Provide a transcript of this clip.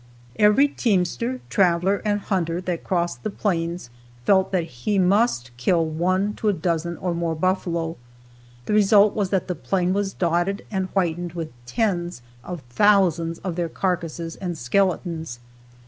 Every teamster, traveler and hunter that crossed the plains felt that he must kill from one to a dozen or more buffalo. The result was that the plain was dotted and whitened with tens of thousands of their carcasses and skeletons.